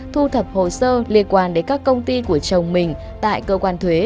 thu thập hồ sơ liên quan đến các công ty của chồng mình tại cơ quan thuế